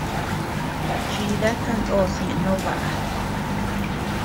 Chida kandos ñeʼe no baʼa.